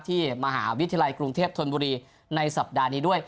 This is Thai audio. ที่มหาวิทยาลัยกรุงเทพธนบุรีในสัปดาห์นี้ด้วย